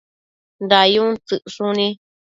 dayun tsëcshuni